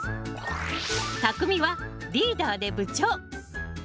たくみはリーダーで部長。